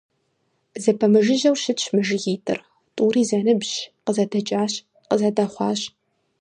Зэпэмыжыжьэу щытщ мы жыгитӀыр, тӀури зэныбжьщ, къызэдэкӀащ, къызэдэхъуащ.